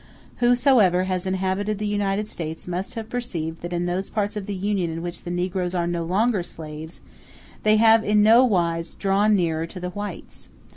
Whosoever has inhabited the United States must have perceived that in those parts of the Union in which the negroes are no longer slaves, they have in no wise drawn nearer to the whites.